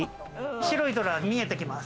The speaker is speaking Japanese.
白いトラが見えてきます。